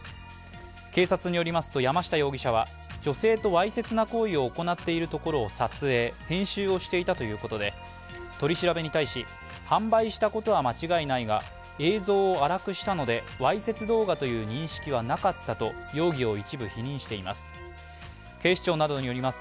警察によりますと、山下容疑者は女性とわいせつな行為を行っているところを撮影、編集をしていたということで、取り調べに対して販売したことは間違いないが、映像を荒くしたのでわいせつ動画という認識はなかったと容疑を一部否認しています。